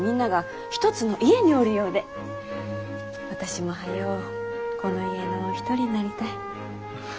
私も早うこの家の一人になりたい。